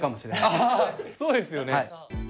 アハそうですよね？